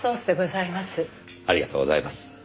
ありがとうございます。